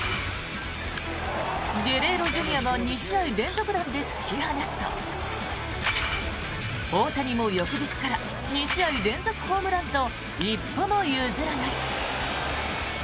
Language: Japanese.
ゲレーロＪｒ．が２試合連続弾で突き放すと大谷も翌日から２試合連続ホームランと一歩も譲らない。